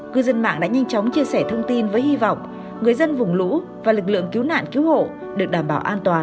cư dân mạng đã nhanh chóng chia sẻ thông tin với hy vọng người dân vùng lũ và lực lượng cứu nạn cứu hộ được đảm bảo an toàn